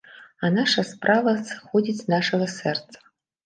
А наша справа сыходзіць з нашага сэрца.